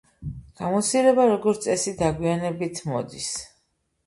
გამოცდილება როგორც წესი დაგვიანებით მოდის.